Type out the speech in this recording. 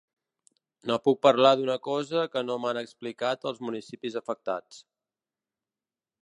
No puc parlar d’una cosa que no m’han explicat els municipis afectats.